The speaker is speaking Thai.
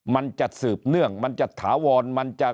มันจะสืบเนื่องมันจะถาวร